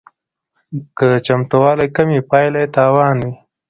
که چمتووالی کم وي پایله یې تاوان وي